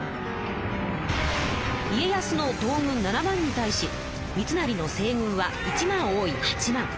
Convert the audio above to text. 家康の東軍７万に対し三成の西軍は１万多い８万。